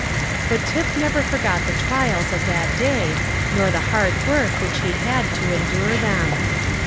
But Tip never forgot the trials of that day, nor the hard work which he had to endure them.